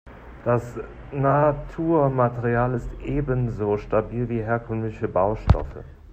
Das Naturmaterial ist ebenso stabil wie herkömmliche Baustoffe.